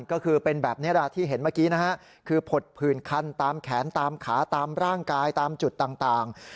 ก็คือเป็นแบบนี้แหละที่เห็นเมื่อกี้นะฮะคือผดผื่นคันตามแขนตามขาตามร่างกายตามจุดต่าง